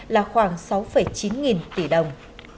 là khoảng sáu chín nghìn tỷ đồng